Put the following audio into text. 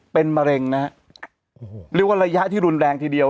เป็นมะเร็งนะฮะโอ้โหเรียกว่าระยะที่รุนแรงทีเดียว